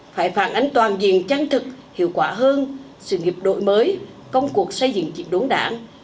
phải phản ánh toàn diện chăng thực hiệu quả hơn sự nghiệp đội mới công cuộc xây dựng chịu đốn đảng